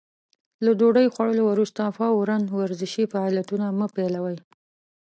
له ډوډۍ خوړلو وروسته فورً ورزشي فعالیتونه مه پيلوئ.